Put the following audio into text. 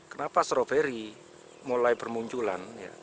kenapa stroberi mulai bermunculan